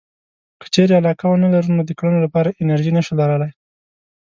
که چېرې علاقه ونه لرو نو د کړنو لپاره انرژي نشو لرلای.